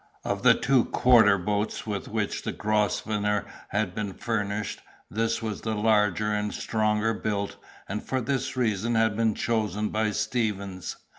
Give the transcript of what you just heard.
Of the two quarter boats with which the Grosvenor had been furnished, this was the larger and the stronger built, and for this reason had been chosen by Stevens.